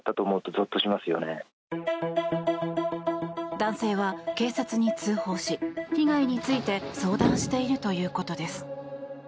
男性は警察に通報し被害について相談しているということです。